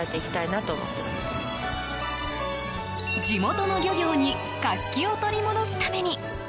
地元の漁業に活気を取り戻すために。